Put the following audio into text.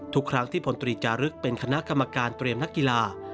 ทุกครั้งที่พลตรีจารึกเป็นคณะกรรมการเตรียมนักกีฬา